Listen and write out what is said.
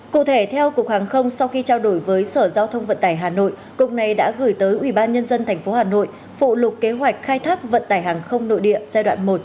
cụ thể theo cục hàng không sau khi trao đổi với sở giao thông vận tải hà nội cục này đã gửi tới ủy ban nhân dân tp hà nội phụ lục kế hoạch khai thác vận tải hàng không nội địa giai đoạn một